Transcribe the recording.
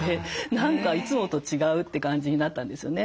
何かいつもと違うって感じになったんですよね。